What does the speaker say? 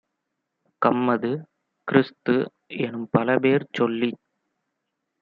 கம்மது, கிறிஸ்து-எனும் பலபேர் சொல்லிச்